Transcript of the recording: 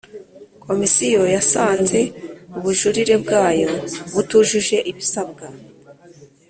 Komisiyo yasanze ubujurire bwayo butujuje ibisabwa